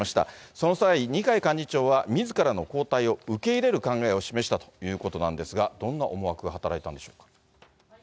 その際、二階幹事長はみずからの交代を受け入れる考えを示したということなんですが、どんな思惑が働いたんでしょうか。